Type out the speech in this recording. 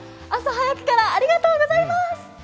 朝早くからありがとうございます。